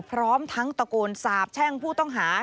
พร้อมทั้งตะโกนสาบแช่งผู้ต้องหา